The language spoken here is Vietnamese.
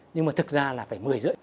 nhưng mà thực ra là phải một mươi rưỡi